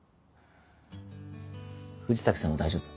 藤崎さんは大丈夫？